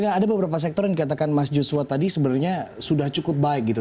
oke mbak rina ada beberapa sektor yang dikatakan mas juswa tadi sebenarnya sudah cukup baik gitu